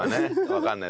わかんない。